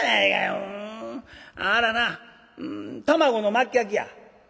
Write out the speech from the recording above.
うんあらな卵の巻焼きや」。